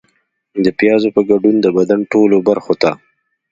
د پیازو په ګډون د بدن ټولو برخو ته